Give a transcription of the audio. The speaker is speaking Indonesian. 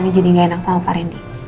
jadi gak enak sama pak randy